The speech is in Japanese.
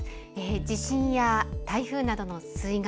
地震や台風などの水害。